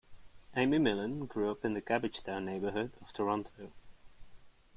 Amy Millan grew up in the Cabbagetown neighbourhood of Toronto.